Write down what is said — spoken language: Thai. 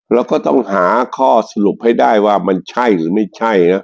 เราก็ต้องหาข้อสรุปให้ได้ว่ามันใช่หรือไม่ใช่นะ